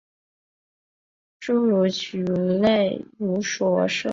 侏儒蚺属而设。